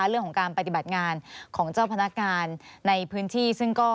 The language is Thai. เรื่องของการปฏิบัติงานของเจ้าพนักงานในพื้นที่ซึ่งก็